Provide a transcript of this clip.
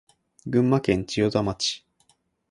群馬県千代田町